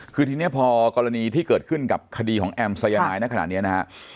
คือทีนี้พอกรณีที่เกิดขึ้นกับคดีของแอมม์สายไม้ณขนาดนี้นะครับ